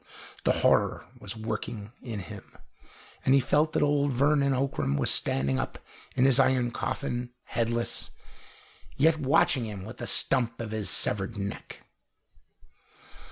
The horror was working in him, and he felt that old Vernon Ockram was standing up in his iron coffin, headless, yet watching him with the stump of his severed neck.